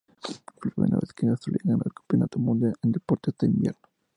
Fue la primera vez que Australia ganó un Campeonato Mundial en deportes de invierno.